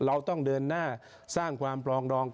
เราต้องเดินหน้าสร้างความปลองดอง